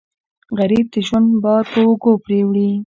غریب د ژوند بار پر اوږو وړي